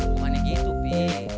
bukannya gitu pi